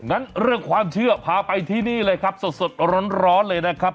งั้นเรื่องความเชื่อพาไปที่นี่เลยครับสดร้อนเลยนะครับ